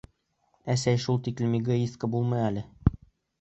Әсәй, шул тиклем эгоистка булма әле!